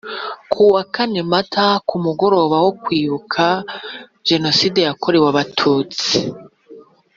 Kuwa kane Mata ku mugoroba wo Kwibuka Jenoside yakorewe Abatutsi